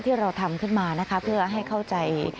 ที่เราทำขึ้นมานะคะเพื่อให้เข้าใจ